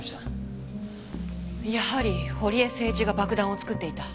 やはり堀江誠一が爆弾を作っていた。